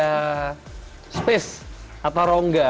terus kasih dia space atau rongga